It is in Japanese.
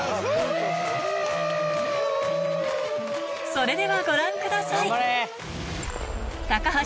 それではご覧ください